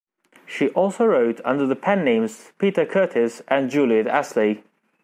She also wrote under the pen names Peter Curtis and Juliet Astley.